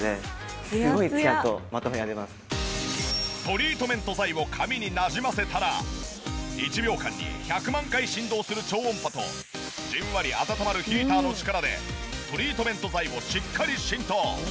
トリートメント剤を髪になじませたら１秒間に１００万回振動する超音波とじんわり温まるヒーターの力でトリートメント剤をしっかり浸透。